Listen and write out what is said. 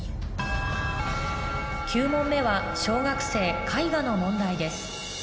９問目は小学生絵画の問題です